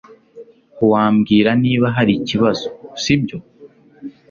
Wambwira niba hari ikibazo, sibyo?